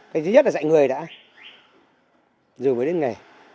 cái thứ nhất là dạy người đã dù mới đến nghề